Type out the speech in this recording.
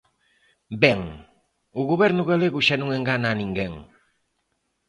Ben, o Goberno galego xa non engana a ninguén.